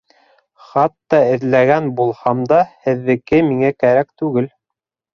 Хатта эҙләгән булһам да, һеҙҙеке миңә кәрәк түгел.